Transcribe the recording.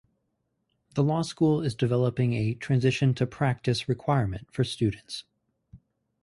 The law school is developing a Transition-to-Practice requirement for students.